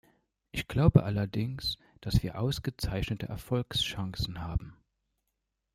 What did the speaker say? Ich glaube allerdings, dass wir ausgezeichnete Erfolgschancen haben.